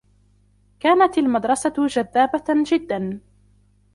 كانت المدرّسة جذّابة جدّا.